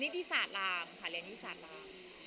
นิทธิสาตลามค่ะเรียนนิทธิสาตลาม